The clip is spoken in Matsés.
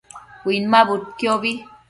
Uinmabudquiobi